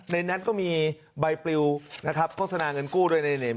ในนั้นก็มีใบปลิวนะครับโฆษณาเงินกู้ด้วย